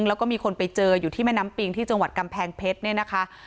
แล้วก็มีคนไปเจออยู่ที่แม่น้ำปิงที่จังหวัดกำแพงเพชรเนี่ยนะคะ